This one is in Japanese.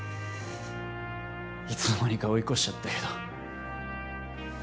いつの間にか追い越しちゃったけど。